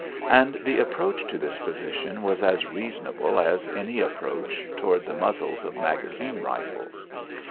And the approach to this position was as reasonable as is any approach toward the muzzles of magazine rifles.